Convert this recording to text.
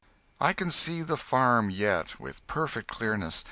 I can see the farm yet, with perfect clearness.